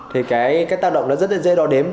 thì cái tác động nó rất là dễ đo đếm